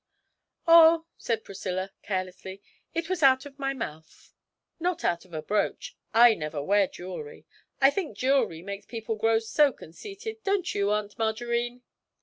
'Oh,' said Priscilla, carelessly, 'it was out of my mouth not out of a brooch, I never wear jewellery. I think jewellery makes people grow so conceited; don't you, Aunt Margarine?'